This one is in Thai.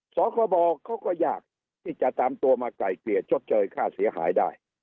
สคบเขาก็ยากที่จะตามตัวมาไกลเกลี่ยชดเชยค่าเสียหายได้